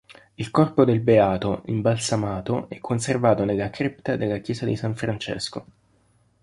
Il corpo del beato, imbalsamato, è conservato nella cripta della chiesa di San Francesco.